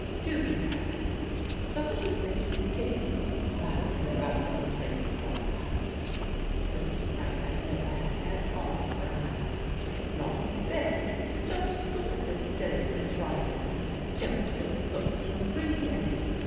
"Do be careful. ... Doesn't it make you giddy, clambering about in places like that?" Mr. Frank had no head at all for a height. "Not a bit. ... Just look at this silly contrivance choked with soot in three days!